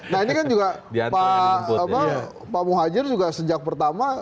nah ini kan juga pak muhajir juga sejak pertama